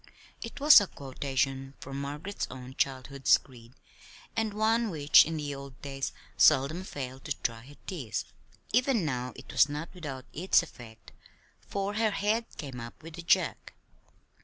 it was a quotation from Margaret's own childhood's creed, and one which in the old days seldom failed to dry her tears. Even now it was not without its effect, for her head came up with a jerk.